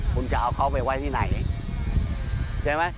คุณจะเอาเขาไปไว้ที่ไหน